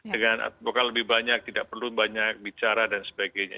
dengan advoka lebih banyak tidak perlu banyak bicara dan sebagainya